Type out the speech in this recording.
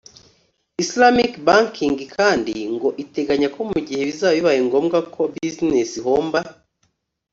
Islamic Banking kandi ngo iteganya ko mu gihe bizaba bibaye ngombwa ko bizinesi ihomba